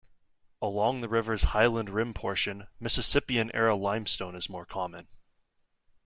Along the river's Highland Rim portion, Mississippian-era limestone is more common.